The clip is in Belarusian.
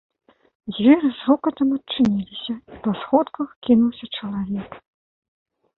Дзверы з грукатам адчыніліся, і па сходках кінуўся чалавек.